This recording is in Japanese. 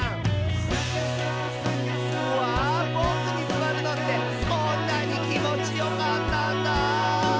「うわボクにすわるのってこんなにきもちよかったんだ」